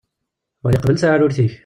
Wali qbel taɛrurt-ik.